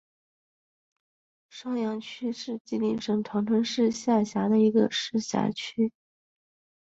双阳区是吉林省长春市下辖的一个市辖区。